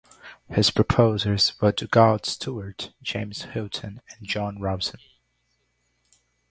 His proposers were Dugald Stewart, James Hutton and John Robison.